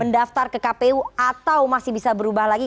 mendaftar ke kpu atau masih bisa berubah lagi